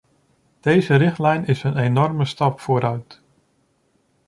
Deze richtlijn is een enorme stap vooruit.